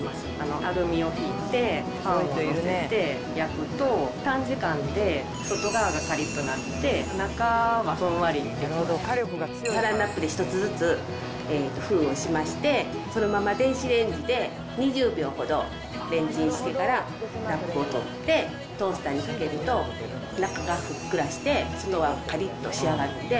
アルミをひいて、パンを載せて焼くと、短時間で外側がかりっとなって、中はふんわサランラップで１つずつ封をしまして、そのまま電子レンジで２０秒ほどレンチンしてからラップをとって、トースターに入れると、中はふっくらして、外はかりっと仕上がって。